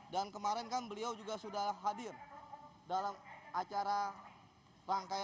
dan kemarin kan beliau juga sudah hadir dalam acara rangkaian